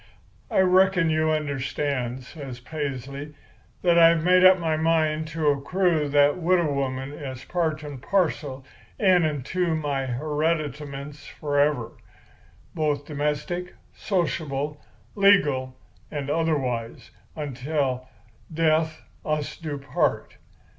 "'I reckon you understand,' says Paisley, 'that I've made up my mind to accrue that widow woman as part and parcel in and to my hereditaments forever, both domestic, sociable, legal, and otherwise, until death us do part.